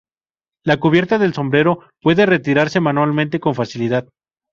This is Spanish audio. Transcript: La cubierta del sombrero puede retirarse manualmente con facilidad.